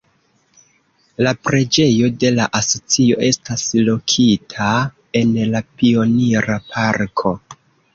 La Preĝejo de la Asocio estas lokita en la Pionira Parko.